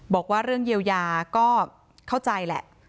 บอกว่าเรื่องเยียวยาก็เข้าใจแหละ